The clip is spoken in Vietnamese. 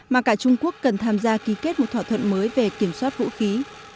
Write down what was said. mà cả trung quốc cần tham gia ký kết một thỏa thuận mới về kiểm soát vũ khí